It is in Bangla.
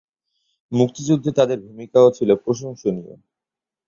মুক্তিযুদ্ধে তাদের ভূমিকাও ছিল প্রশংসনীয়।